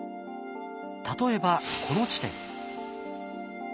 例えばこの地点。